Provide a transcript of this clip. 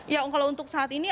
ya kalau untuk saat ini